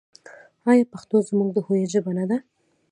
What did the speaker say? آیا پښتو زموږ د هویت ژبه نه ده؟